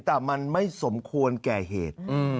แต่มันไม่สมควรแก่เหตุ